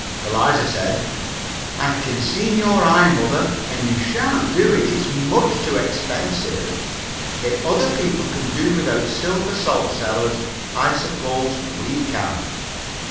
Eliza said, "I can see in your eye, mother, and you sha'n't do it. It's much too expensive. If other people can do without silver salt cellars, I suppose we can."